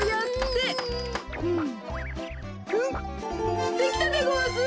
できたでごわす。